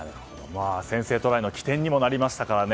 先制トライの起点にもなりましたからね。